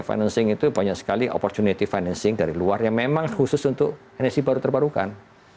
financing itu banyak sekali opportunity financing dari luar yang memang khusus untuk energi baru terbarukan